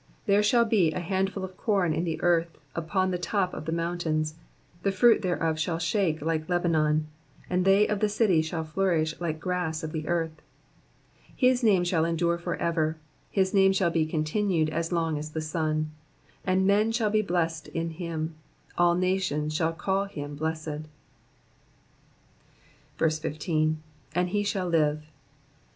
16 There shall be an handful of corn in the earth upon the top of the mountains ; the fruit thereof shall shake like Lebanon : and /Aej^ of the city shall flourish like grass of the earth. 17 His name shall endure for ever: his name shall be con tinued as long as the sun : and men shall be blessed in him : all nations shall call him blessed. 15. * ^And he shall live.'''